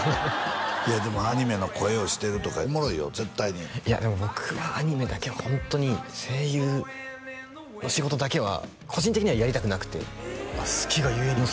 いやでもアニメの声をしてるとかおもろいよ絶対にいやでも僕はアニメだけはホントに声優の仕事だけは個人的にはやりたくなくてあっ好きがゆえに？